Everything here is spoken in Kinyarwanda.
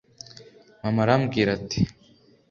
Mama arambwira ati